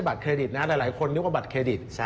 เครดิตนะหลายคนนึกว่าบัตรเครดิต